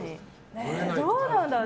どうなんだろう。